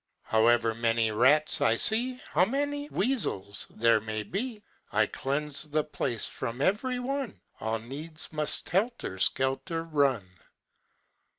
However many rats I see, How many weasels there may be, I cleanse the place from ev'ry one, All needs must helter skelter run.